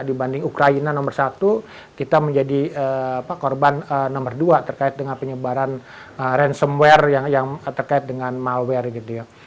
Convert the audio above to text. dibanding ukraina nomor satu kita menjadi korban nomor dua terkait dengan penyebaran ransomware yang terkait dengan malware gitu ya